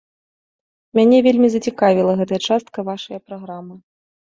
Мяне вельмі зацікавіла гэтая частка вашае праграмы.